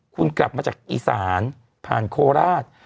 คุณกลับมาจากอีสานผ่านโคราช